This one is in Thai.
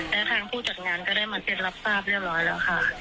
และทางผู้จัดงานก็ได้มาเซ็นรับทราบเรียบร้อยแล้วค่ะ